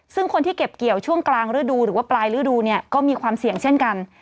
ซึ่งคนที่เก็บเกี่ยวช่วงกลางฤดูหรือว่าปลายฤดูเนี่ยก็มีความเสี่ยงเช่นกัน